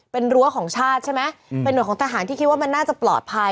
เป็นรั้วของชาติใช่ไหมเป็นหน่วยของทหารที่คิดว่ามันน่าจะปลอดภัย